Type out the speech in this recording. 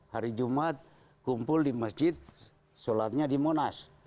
hari jumat kumpul di masjid sholatnya di monas